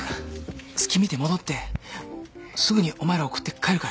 隙見て戻ってすぐにお前ら送って帰るから。